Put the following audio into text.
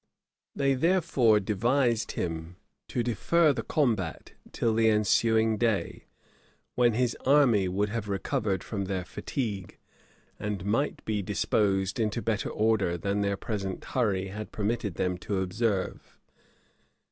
They therefore devised him to defer the combat till the ensuing day, when his army would have recovered from their fatigue, and might be disposed into better order than their present hurry had permitted them to observe.